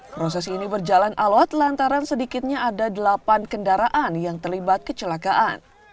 proses ini berjalan alot lantaran sedikitnya ada delapan kendaraan yang terlibat kecelakaan